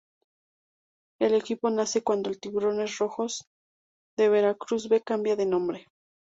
El equipo nace cuando el Tiburones Rojos de Veracruz B cambia de nombre.